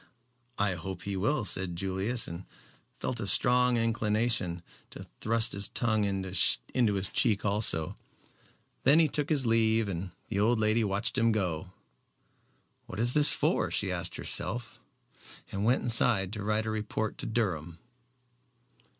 "I hope he will," said Julius, and felt a strong inclination to thrust his tongue in his cheek also. Then he took his leave and the old lady watched him go. "What is this for?" she asked herself, and went inside to write a report to Durham.